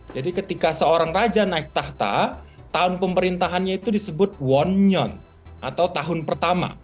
jadi ketika seorang raja naik tahta tahun pemerintahannya itu disebut wonnyon atau tahun pertama